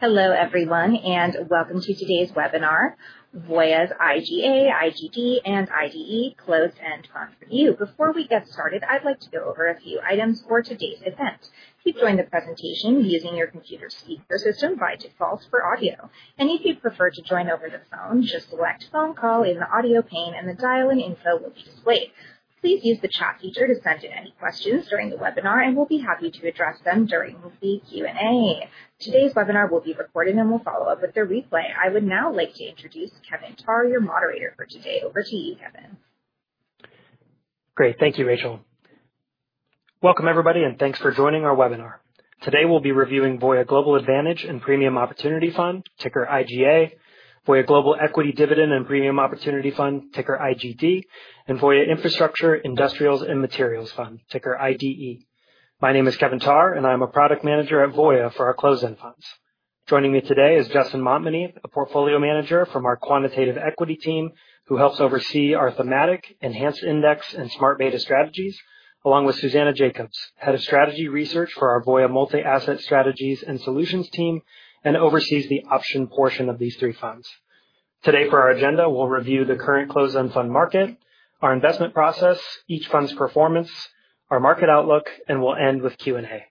Hello everyone and welcome to today's webinar, Voya's IGA, IGD, and IDE closed-end fund review. Before we get started, I'd like to go over a few items for today's event. Please join the presentation using your computer speaker system by default for audio. If you prefer to join over the phone, just select phone call in the audio pane and the dial-in info will be displayed. Please use the chat feature to send in any questions during the webinar and we'll be happy to address them during the Q&A. Today's webinar will be recorded and we'll follow up with a replay. I would now like to introduce Kevin Tarr, your moderator for today. Over to you, Kevin. Great, thank you, Rachel. Welcome everybody and thanks for joining our webinar. Today we'll be reviewing Voya Global Advantage and Premium Opportunity Fund, ticker IGA, Voya Global Equity Dividend and Premium Opportunity Fund, ticker IGD, and Voya Infrastructure Industrials and Materials Fund, ticker IDE. My name is Kevin Tarr and I'm a product manager at Voya for our closed-end funds. Joining me today is Justin Montmany, a portfolio manager from our quantitative equity team who helps oversee our thematic enhanced index and smart beta strategies, along with Susanna Jacobs, head of strategy research for our Voya multi-asset strategies and solutions team and oversees the option portion of these three funds. Today for our agenda, we'll review the current closed-end fund market, our investment process, each fund's performance, our market outlook, and we'll end with Q&A.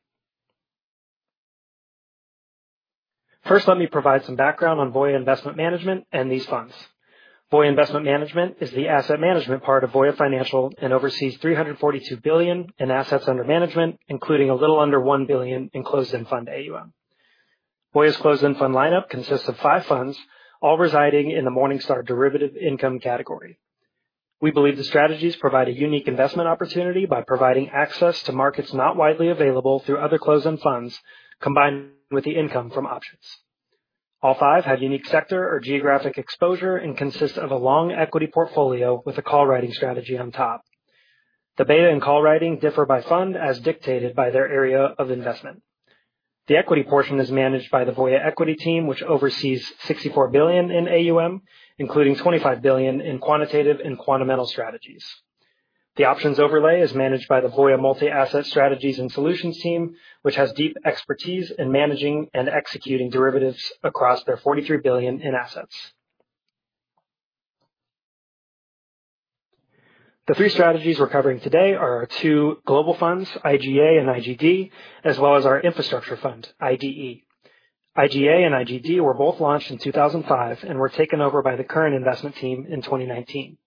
First, let me provide some background on Voya Investment Management and these funds. Voya Investment Management is the asset management part of Voya Financial and oversees $342 billion in assets under management, including a little under $1 billion in closed-end fund AUM. Voya's closed-end fund lineup consists of five funds, all residing in the Morningstar derivative income category. We believe the strategies provide a unique investment opportunity by providing access to markets not widely available through other closed-end funds, combined with the income from options. All five have unique sector or geographic exposure and consist of a long equity portfolio with a call writing strategy on top. The beta and call writing differ by fund as dictated by their area of investment. The equity portion is managed by the Voya Equity team, which oversees $64 billion in AUM, including $25 billion in quantitative and quantamental strategies. The options overlay is managed by the Voya multi-asset strategies and solutions team, which has deep expertise in managing and executing derivatives across their $43 billion in assets. The three strategies we're covering today are our two global funds, IGA and IGD, as well as our infrastructure fund, IDE. IGA and IGD were both launched in 2005 and were taken over by the current investment team in 2019.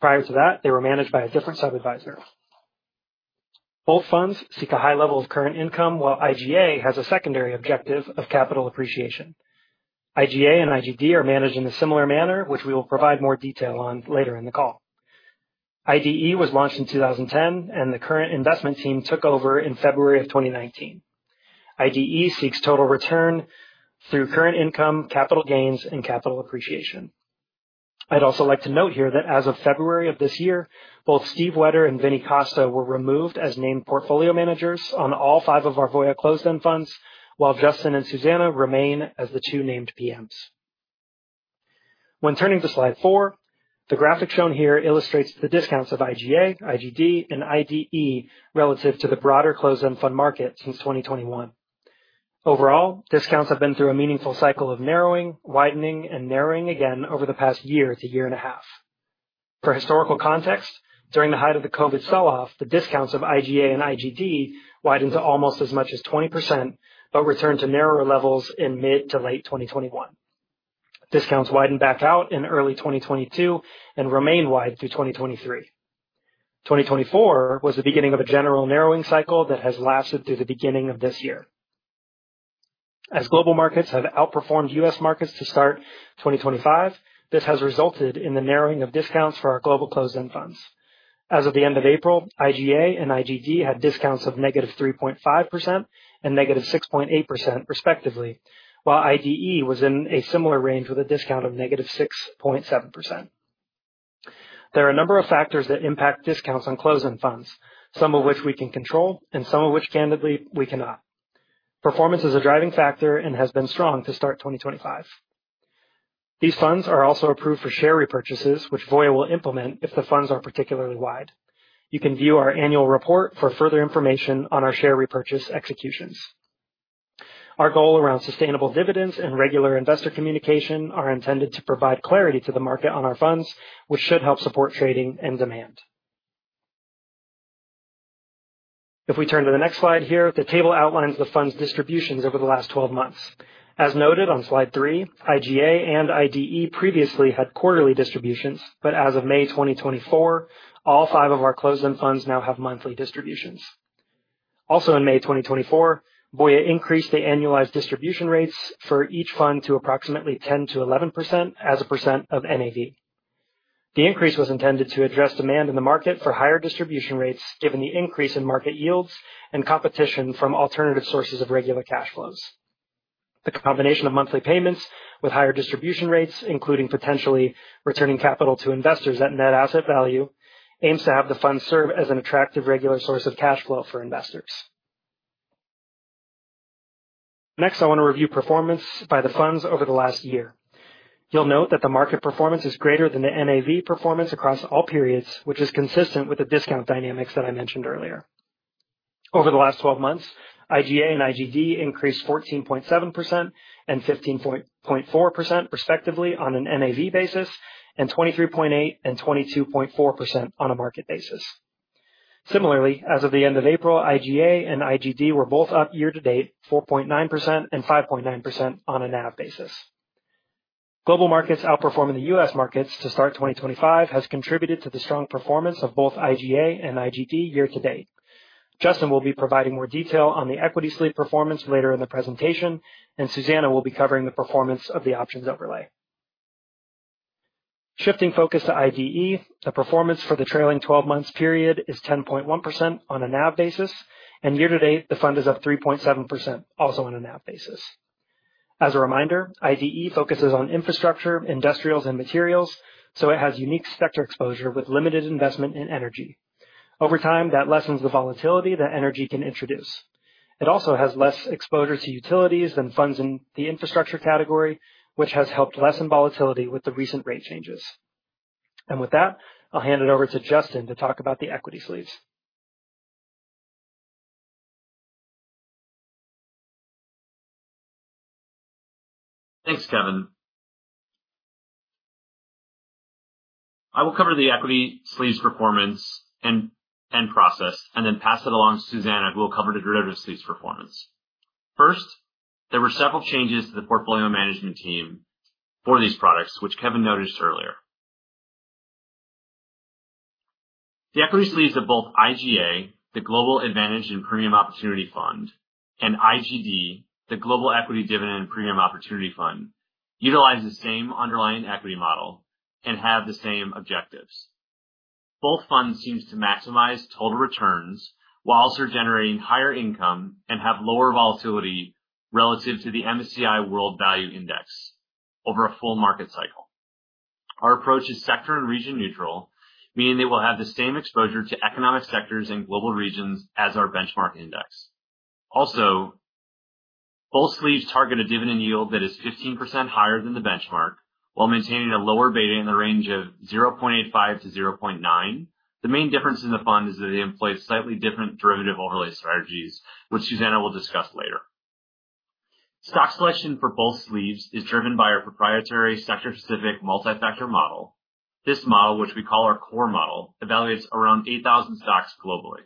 Prior to that, they were managed by a different sub-advisor. Both funds seek a high level of current income, while IGA has a secondary objective of capital appreciation. IGA and IGD are managed in a similar manner, which we will provide more detail on later in the call. IDE was launched in 2010 and the current investment team took over in February of 2019. IDE seeks total return through current income, capital gains, and capital appreciation. I'd also like to note here that as of February of this year, both Steve Wetter and Vinny Costa were removed as named portfolio managers on all five of our Voya closed-end funds, while Justin and Susanna remain as the two named PMs. When turning to slide four, the graphic shown here illustrates the discounts of IGA, IGD, and IDE relative to the broader closed-end fund market since 2021. Overall, discounts have been through a meaningful cycle of narrowing, widening, and narrowing again over the past year-to-year and a half. For historical context, during the height of the COVID sell-off, the discounts of IGA and IGD widened to almost as much as 20%, but returned to narrower levels in mid to late 2021. Discounts widened back out in early 2022 and remain wide through 2023. 2024 was the beginning of a general narrowing cycle that has lasted through the beginning of this year. As global markets have outperformed U.S. markets to start 2025, this has resulted in the narrowing of discounts for our global closed-end funds. As of the end of April, IGA and IGD had discounts of -3.5% and -6.8% respectively, while IDE was in a similar range with a discount of -6.7%. There are a number of factors that impact discounts on closed-end funds, some of which we can control and some of which candidly we cannot. Performance is a driving factor and has been strong to start 2025. These funds are also approved for share repurchases, which Voya will implement if the funds are particularly wide. You can view our annual report for further information on our share repurchase executions. Our goal around sustainable dividends and regular investor communication is intended to provide clarity to the market on our funds, which should help support trading and demand. If we turn to the next slide here, the table outlines the funds' distributions over the last 12 months. As noted on slide three, IGA and IDE previously had quarterly distributions, but as of May 2024, all five of our closed-end funds now have monthly distributions. Also in May 2024, Voya increased the annualized distribution rates for each fund to approximately 10-11% as a percent of NAV. The increase was intended to address demand in the market for higher distribution rates given the increase in market yields and competition from alternative sources of regular cash flows. The combination of monthly payments with higher distribution rates, including potentially returning capital to investors at net asset value, aims to have the funds serve as an attractive regular source of cash flow for investors. Next, I want to review performance by the funds over the last year. You'll note that the market performance is greater than the NAV performance across all periods, which is consistent with the discount dynamics that I mentioned earlier. Over the last 12 months, IGA and IGD increased 14.7% and 15.4% respectively on an NAV basis and 23.8% and 22.4% on a market basis. Similarly, as of the end of April, IGA and IGD were both up year-to-date 4.9% and 5.9% on a NAV basis. Global markets outperforming the U.S. markets to start 2025 has contributed to the strong performance of both IGA and IGD year-to-date. Justin will be providing more detail on the equity sleeve performance later in the presentation, and Susanna will be covering the performance of the options overlay. Shifting focus to IDE, the performance for the trailing 12 months period is 10.1% on a NAV basis, and year-to-date the fund is up 3.7%, also on a NAV basis. As a reminder, IDE focuses on infrastructure, industrials, and materials, so it has unique sector exposure with limited investment in energy. Over time, that lessens the volatility that energy can introduce. It also has less exposure to utilities than funds in the infrastructure category, which has helped lessen volatility with the recent rate changes. With that, I'll hand it over to Justin to talk about the equity sleeves. Thanks, Kevin. I will cover the equity sleeves performance and process and then pass it along to Susanna, who will cover the derivatives sleeves performance. First, there were several changes to the portfolio management team for these products, which Kevin noted earlier. The equity sleeves of both IGA, the Global Advantage and Premium Opportunity Fund, and IGD, the Global Equity Dividend and Premium Opportunity Fund, utilize the same underlying equity model and have the same objectives. Both funds seek to maximize total returns while also generating higher income and have lower volatility relative to the MSCI World Value Index over a full market cycle. Our approach is sector and region neutral, meaning they will have the same exposure to economic sectors and global regions as our benchmark index. Also, both sleeves target a dividend yield that is 15% higher than the benchmark while maintaining a lower beta in the range of 0.85-0.9. The main difference in the fund is that they employ slightly different derivative overlay strategies, which Susanna will discuss later. Stock selection for both sleeves is driven by our proprietary sector-specific multi-factor model. This model, which we call our core model, evaluates around 8,000 stocks globally.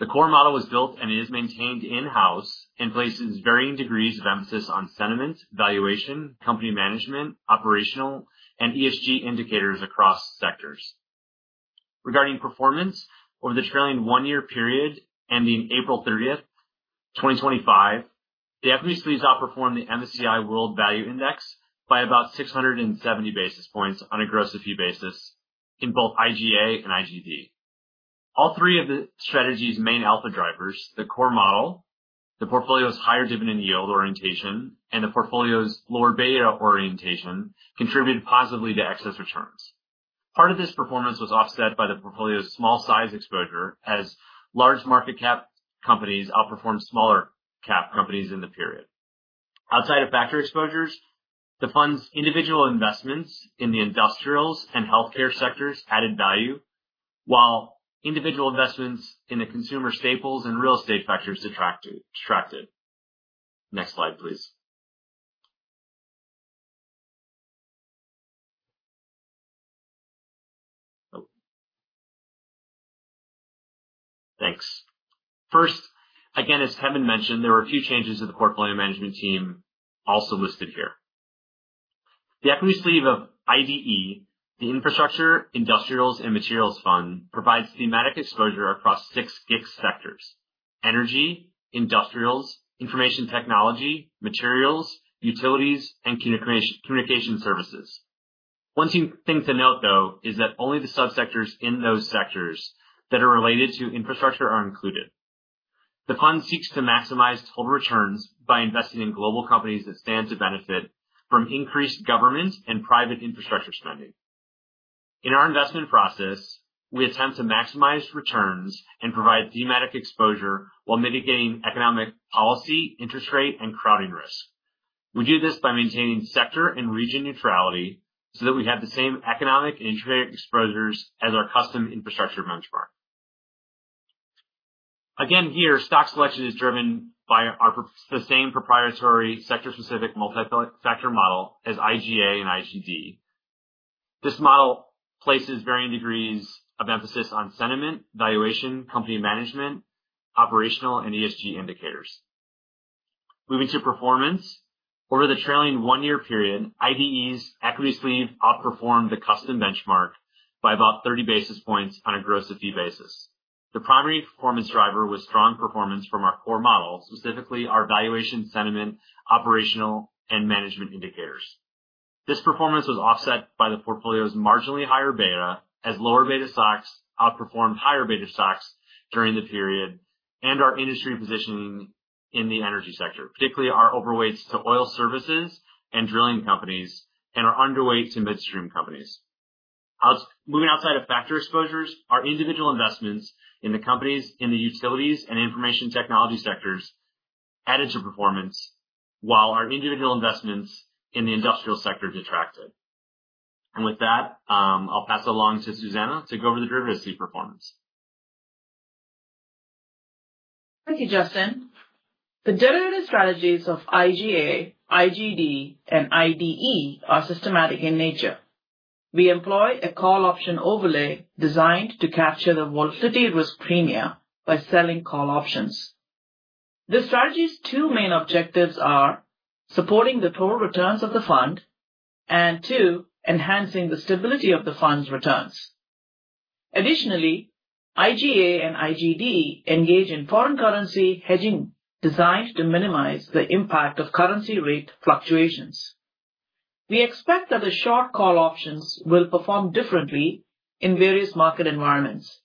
The core model was built and is maintained in-house and places varying degrees of emphasis on sentiment, valuation, company management, operational, and ESG indicators across sectors. Regarding performance, over the trailing one-year period ending April 30th, 2025, the equity sleeves outperformed the MSCI World Value Index by about 670 basis points on a growth-to-fee basis in both IGA and IGD. All three of the strategies' main alpha drivers, the core model, the portfolio's higher dividend yield orientation, and the portfolio's lower beta orientation, contributed positively to excess returns. Part of this performance was offset by the portfolio's small-sized exposure as large market cap companies outperformed smaller cap companies in the period. Outside of factor exposures, the fund's individual investments in the industrials and healthcare sectors added value, while individual investments in the consumer staples and real estate factors detracted. Next slide, please. Thanks. First, again, as Kevin mentioned, there were a few changes to the portfolio management team also listed here. The equity sleeve of IDE, the Infrastructure, Industrials, and Materials Fund, provides thematic exposure across six GICS sectors: energy, industrials, information technology, materials, utilities, and communication services. One thing to note, though, is that only the subsectors in those sectors that are related to infrastructure are included. The fund seeks to maximize total returns by investing in global companies that stand to benefit from increased government and private infrastructure spending. In our investment process, we attempt to maximize returns and provide thematic exposure while mitigating economic policy, interest rate, and crowding risk. We do this by maintaining sector and region neutrality so that we have the same economic and interest rate exposures as our custom infrastructure benchmark. Again, here, stock selection is driven by the same proprietary sector-specific multi-factor model as IGA and IGD. This model places varying degrees of emphasis on sentiment, valuation, company management, operational, and ESG indicators. Moving to performance, over the trailing one-year period, IDE's equity sleeve outperformed the custom benchmark by about 30 basis points on a growth-to-fee basis. The primary performance driver was strong performance from our core model, specifically our valuation, sentiment, operational, and management indicators. This performance was offset by the portfolio's marginally higher beta as lower beta stocks outperformed higher beta stocks during the period and our industry positioning in the energy sector, particularly our overweights to oil services and drilling companies and our underweight to midstream companies. Moving outside of factor exposures, our individual investments in the companies in the utilities and information technology sectors added to performance, while our individual investments in the industrial sector detracted. With that, I'll pass it along to Susanna to go over the derivatives sleeve performance. Thank you, Justin. The derivative strategies of IGA, IGD, and IDE are systematic in nature. We employ a call option overlay designed to capture the volatility risk premia by selling call options. The strategy's two main objectives are supporting the total returns of the fund and, two, enhancing the stability of the fund's returns. Additionally, IGA and IGD engage in foreign currency hedging designed to minimize the impact of currency rate fluctuations. We expect that the short call options will perform differently in various market environments.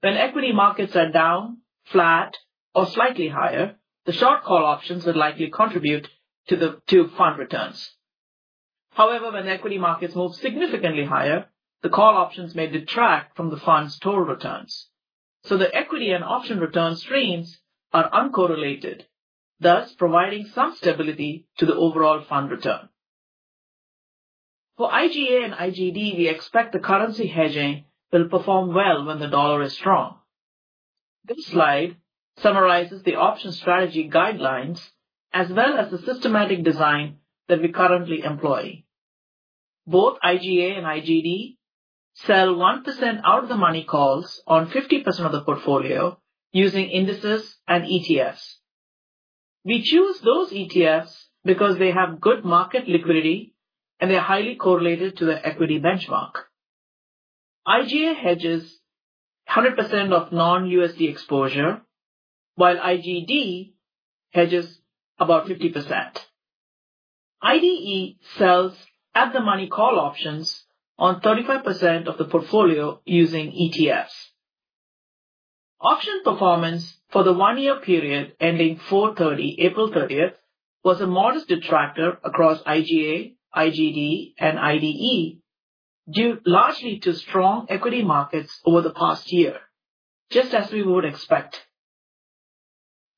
When equity markets are down, flat, or slightly higher, the short call options would likely contribute to fund returns. However, when equity markets move significantly higher, the call options may detract from the fund's total returns. The equity and option return streams are uncorrelated, thus providing some stability to the overall fund return. For IGA and IGD, we expect the currency hedging will perform well when the dollar is strong. This slide summarizes the option strategy guidelines as well as the systematic design that we currently employ. Both IGA and IGD sell 1% out-of-the-money calls on 50% of the portfolio using indices and ETFs. We choose those ETFs because they have good market liquidity and they are highly correlated to the equity benchmark. IGA hedges 100% of non-USD exposure, while IGD hedges about 50%. IDE sells out-of-the-money call options on 35% of the portfolio using ETFs. Option performance for the one-year period ending April 30, April 30, was a modest detractor across IGA, IGD, and IDE largely due to strong equity markets over the past year, just as we would expect.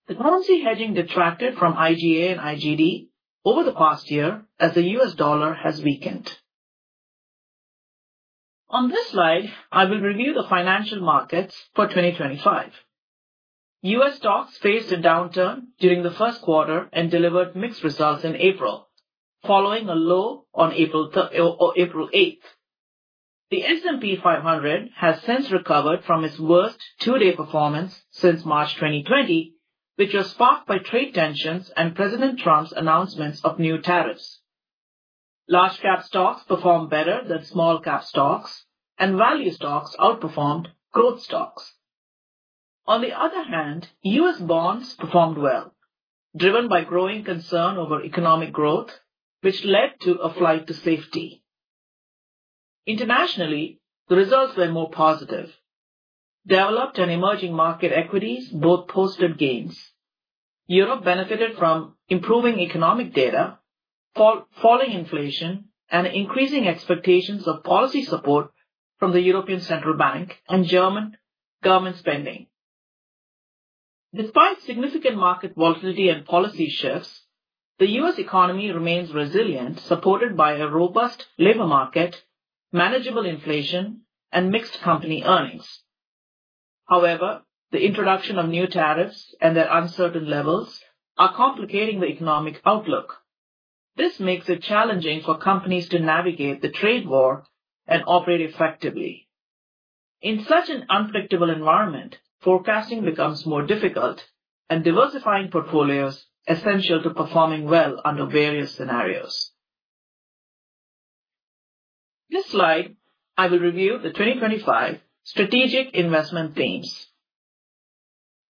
The currency hedging detracted from IGA and IGD over the past year as the U.S. dollar has weakened. On this slide, I will review the financial markets for 2025. U.S. stocks faced a downturn during the first quarter and delivered mixed results in April, following a low on April 8th. The S&P 500 has since recovered from its worst two-day performance since March 2020, which was sparked by trade tensions and President Trump's announcements of new tariffs. Large-cap stocks performed better than small-cap stocks, and value stocks outperformed growth stocks. On the other hand, U.S. bonds performed well, driven by growing concern over economic growth, which led to a flight to safety. Internationally, the results were more positive. Developed and emerging market equities both posted gains. Europe benefited from improving economic data, falling inflation, and increasing expectations of policy support from the European Central Bank and German government spending. Despite significant market volatility and policy shifts, the U.S. Economy remains resilient, supported by a robust labor market, manageable inflation, and mixed company earnings. However, the introduction of new tariffs and their uncertain levels are complicating the economic outlook. This makes it challenging for companies to navigate the trade war and operate effectively. In such an unpredictable environment, forecasting becomes more difficult, and diversifying portfolios is essential to performing well under various scenarios. This slide, I will review the 2025 strategic investment themes.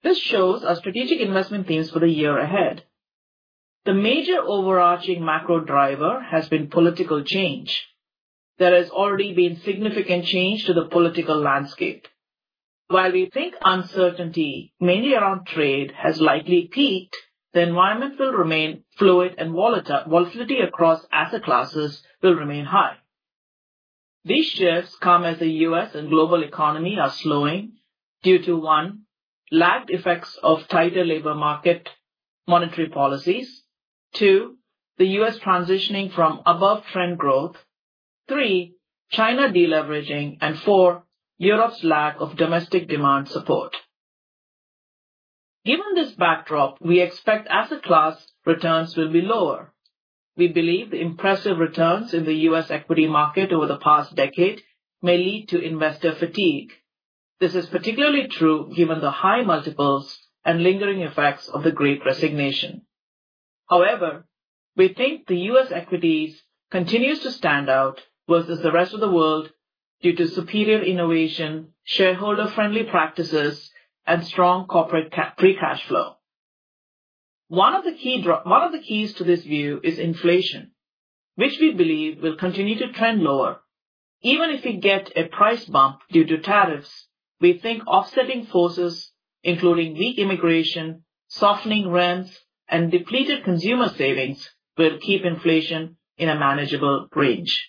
This shows our strategic investment themes for the year ahead. The major overarching macro driver has been political change. There has already been significant change to the political landscape. While we think uncertainty, mainly around trade, has likely peaked, the environment will remain fluid and volatility across asset classes will remain high. These shifts come as the U.S. and global economy are slowing due to, one, lagged effects of tighter labor market monetary policies, two, the U.S. transitioning from above-trend growth, three, China deleveraging, and four, Europe's lack of domestic demand support. Given this backdrop, we expect asset class returns will be lower. We believe the impressive returns in the U.S. equity market over the past decade may lead to investor fatigue. This is particularly true given the high multiples and lingering effects of the Great Resignation. However, we think the U.S. equities continue to stand out versus the rest of the world due to superior innovation, shareholder-friendly practices, and strong corporate free cash flow. One of the keys to this view is inflation, which we believe will continue to trend lower. Even if we get a price bump due to tariffs, we think offsetting forces, including weak immigration, softening rents, and depleted consumer savings, will keep inflation in a manageable range.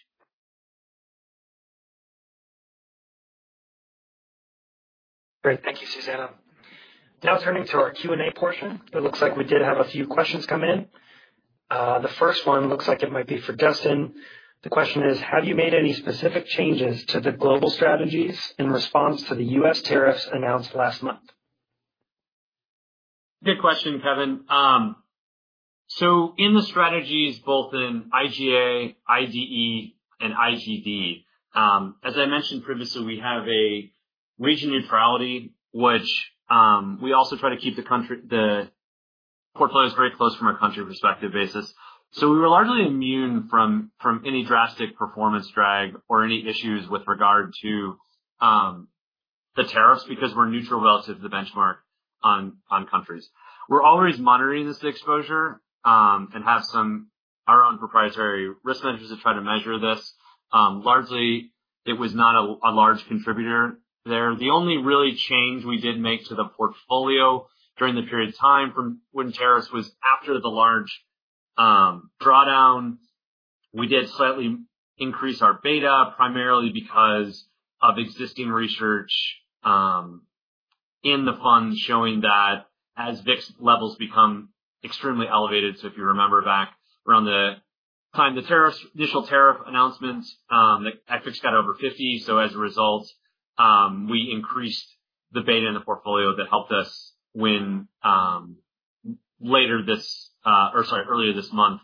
Great. Thank you, Susanna. Now turning to our Q&A portion, it looks like we did have a few questions come in. The first one looks like it might be for Justin. The question is, have you made any specific changes to the global strategies in response to the U.S. tariffs announced last month? Good question, Kevin. In the strategies, both in IGA, IDE, and IGD, as I mentioned previously, we have a region neutrality, which we also try to keep the portfolios very close from a country perspective basis. We were largely immune from any drastic performance drag or any issues with regard to the tariffs because we are neutral relative to the benchmark on countries. We are always monitoring this exposure and have some of our own proprietary risk measures to try to measure this. Largely, it was not a large contributor there. The only really change we did make to the portfolio during the period of time when tariffs was after the large drawdown, we did slightly increase our beta, primarily because of existing research in the funds showing that as VIX levels become extremely elevated. If you remember back around the time of the initial tariff announcements, the VIX got over 50. As a result, we increased the beta in the portfolio. That helped us win. Earlier this month,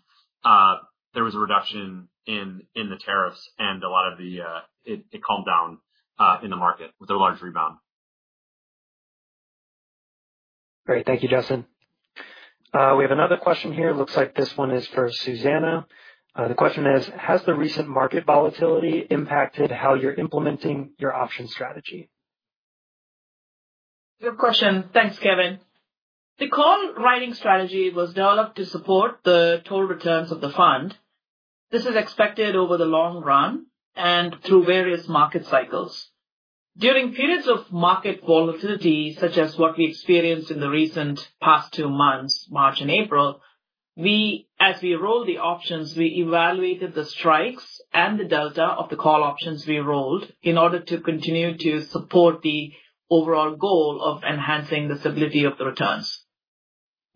there was a reduction in the tariffs and a lot of it calmed down in the market with a large rebound. Great. Thank you, Justin. We have another question here. It looks like this one is for Susanna. The question is, has the recent market volatility impacted how you're implementing your option strategy? Good question. Thanks, Kevin. The call writing strategy was developed to support the total returns of the fund. This is expected over the long run and through various market cycles. During periods of market volatility, such as what we experienced in the recent past two months, March and April, as we rolled the options, we evaluated the strikes and the delta of the call options we rolled in order to continue to support the overall goal of enhancing the stability of the returns.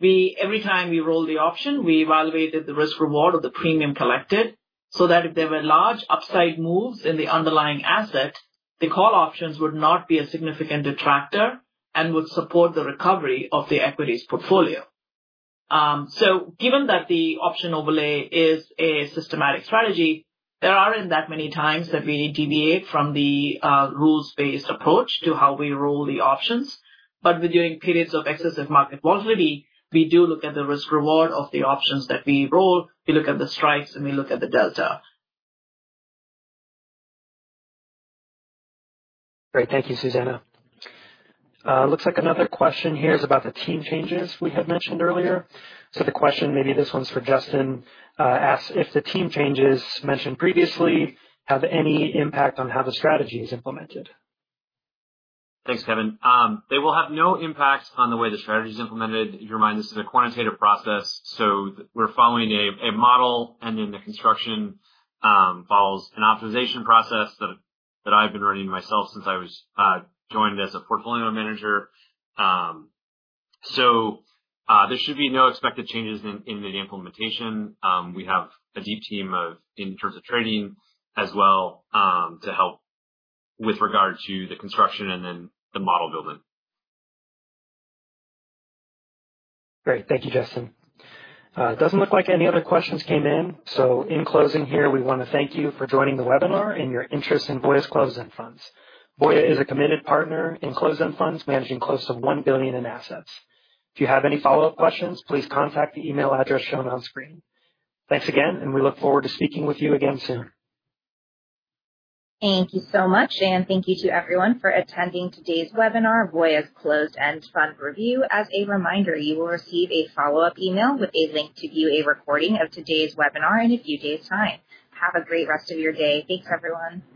Every time we rolled the option, we evaluated the risk-reward of the premium collected so that if there were large upside moves in the underlying asset, the call options would not be a significant detractor and would support the recovery of the equities portfolio. So given that the option overlay is a systematic strategy, there aren't that many times that we deviate from the rules-based approach to how we roll the options. During periods of excessive market volatility, we do look at the risk-reward of the options that we roll. We look at the strikes and we look at the delta. Great. Thank you, Susanna. Looks like another question here is about the team changes we had mentioned earlier. The question, maybe this one's for Justin, asks if the team changes mentioned previously have any impact on how the strategy is implemented. Thanks, Kevin. They will have no impact on the way the strategy is implemented. Keep in mind this is a quantitative process. So we're following a model, and then the construction follows an optimization process that I've been running myself since I joined as a portfolio manager. There should be no expected changes in the implementation. We have a deep team in terms of training as well to help with regard to the construction and then the model building. Great. Thank you, Justin. It doesn't look like any other questions came in. In closing here, we want to thank you for joining the webinar and your interest in Voya's Closed-End Funds. Voya is a committed partner in Closed-End Funds, managing close to $1 billion in assets. If you have any follow-up questions, please contact the email address shown on screen. Thanks again, and we look forward to speaking with you again soon. Thank you so much, and thank you to everyone for attending today's webinar, Voya's Closed-End Fund review. As a reminder, you will receive a follow-up email with a link to view a recording of today's webinar in a few days' time. Have a great rest of your day. Thanks, everyone.